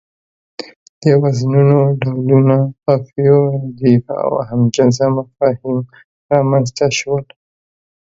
د وزنونو ډولونه، قافيو، رديف او هم جنسه مفاهيم رامنځ ته شول.